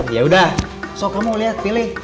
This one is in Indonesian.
yaudah so kamu lihat pilih